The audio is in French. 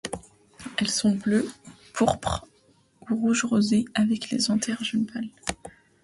Elles sont bleues, pourpres ou rouge-rosé, avec les anthères jaune pâle.